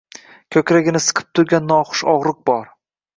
Koʻkragini siqib turgan noxush ogʻriq bor.